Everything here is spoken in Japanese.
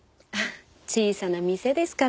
小さな店ですから。